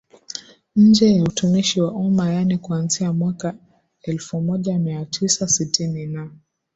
nje ya utumishi wa umma yaani kuanzia mwaka elfu moja mia tisa sitini na